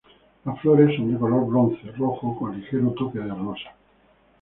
Las flores son de color bronce-rojo con un ligero toque de rosa.